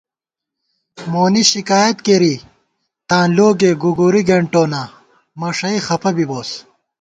مونی شِکایت کېری تاں لوگے گُگُری گېنٹَووناں مَݭَئ خپہ بِبُوس